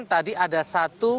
dan tadi ada satu